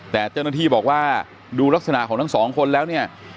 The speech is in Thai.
แต่เจ้าหน้าที่บอกว่าดูลักษณะของทั้งสองคนแล้วเนี่ย